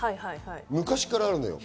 昔からあるのよ。